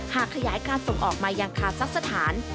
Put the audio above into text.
หากขยายการส่งออกมายังคาซักสถาน